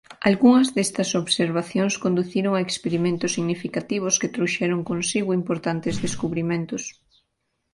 Algunhas destas observacións conduciron a experimentos significativos que trouxeron consigo importantes descubrimentos.